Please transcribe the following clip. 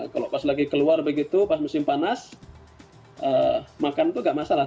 kalau pas lagi keluar begitu pas musim panas makan itu nggak masalah